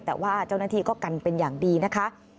แต่ว่าเจ้าหน้าที่ก็กันเป็นอย่างดีนะคะ